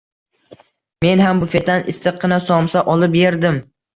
Men ham bufetdan issiqqina somsa olib yerdim